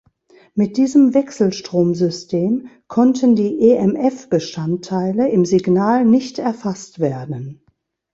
Mit diesem Wechselstrom-System konnten die emf-Bestandteile im Signal nicht erfasst werden.